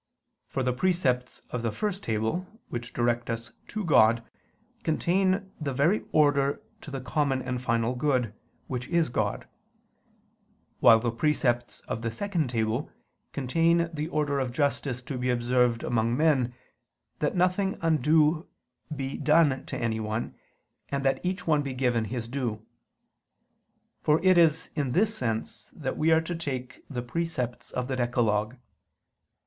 For the precepts of the first table, which direct us to God, contain the very order to the common and final good, which is God; while the precepts of the second table contain the order of justice to be observed among men, that nothing undue be done to anyone, and that each one be given his due; for it is in this sense that we are to take the precepts of the decalogue.